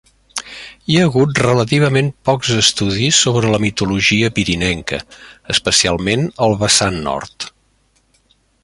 Hi ha hagut relativament pocs estudis sobre la mitologia pirinenca, especialment al vessant nord.